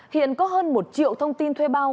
hiện có hơn một triệu thông tin thuê bao